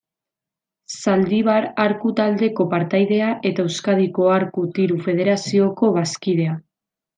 Zaldibar Arku Taldeko partaidea eta Euskadiko Arku Tiro federazioko bazkidea.